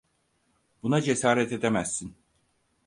Buna cesaret edemezsin.